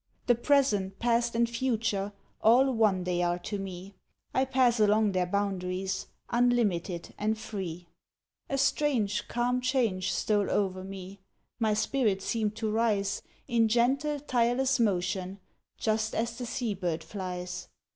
The present, past, and future, All one they are to me, I pass along their boundaries, Unlimited, and free." A strange, calm change stole o'er me, My spirit seemed to rise In gentle, tireless motion, Just as the sea bird flies.